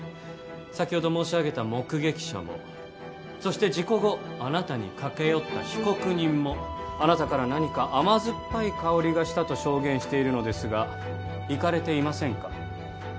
先ほど申し上げた目撃者もそして事故後あなたに駆け寄った被告人もあなたから何か甘酸っぱい香りがしたと証言しているのですが行かれていませんか？